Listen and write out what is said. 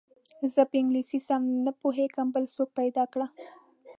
زه په انګلیسي سم نه پوهېږم بل څوک پیدا کړه.